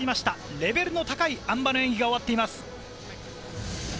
レベルの高いあん馬の演技が終わっています。